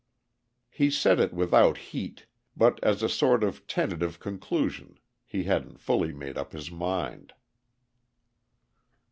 He said it without heat, but as a sort of tentative conclusion, he hadn't fully made up his mind.